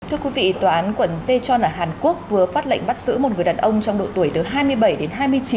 thưa quý vị tòa án quận tê chon ở hàn quốc vừa phát lệnh bắt giữ một người đàn ông trong độ tuổi từ hai mươi bảy đến hai mươi chín